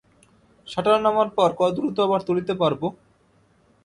Shutter নামার পর, কত দ্রুত আবার তুলতে পারবো?